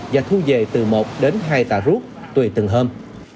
và thu về từ một đến hai tạ rút tùy từng hôm